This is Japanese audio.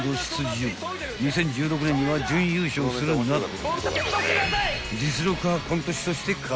［２０１６年には準優勝するなど］